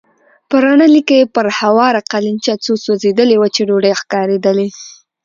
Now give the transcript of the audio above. په رڼه لېکه کې پر هواره قالينچه څو سوځېدلې وچې ډوډۍ ښکارېدلې.